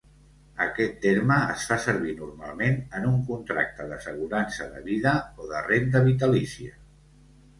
Aquest terme es fa servir normalment en un contracte d'assegurança de vida o de renda vitalícia.